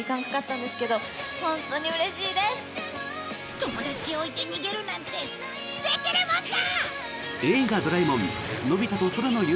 友達を置いて逃げるなんてできるもんか！